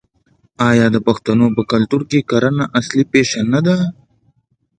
آیا د پښتنو په کلتور کې کرنه اصلي پیشه نه ده؟